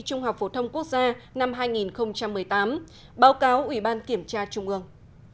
trung học phổ thông quốc gia năm hai nghìn một mươi tám báo cáo ủy ban kiểm tra trung ương